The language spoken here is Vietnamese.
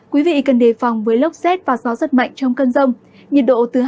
quý vị cần đề phòng với lốc xét và gió rất mạnh trong cân rông nhiệt độ từ hai mươi năm đến ba mươi bốn độ